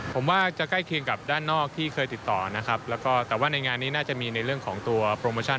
ผมว่าจะใกล้เคียงกับด้านนอกที่เคยติดต่อนะครับแล้วก็แต่ว่าในงานนี้น่าจะมีในเรื่องของตัวโปรโมชั่น